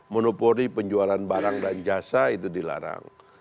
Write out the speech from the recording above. monopori penjualan barang dan jasa itu dilarang